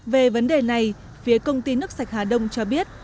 về vấn đề này phía công ty nước sạch hà đông cho biết